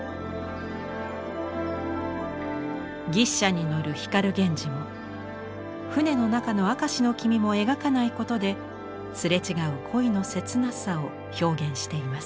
牛車に乗る光源氏も船の中の明石君も描かないことですれ違う恋の切なさを表現しています。